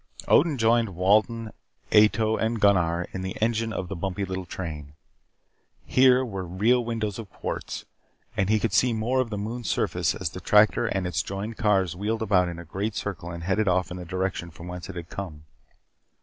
Odin joined Wolden, Ato, and Gunnar in the "engine" of the bumpy little train. Here were real windows of quartz, and he could see more of the moon's surface as the tractor and its jointed cars wheeled about in a great circle and headed off in the direction from whence it had come.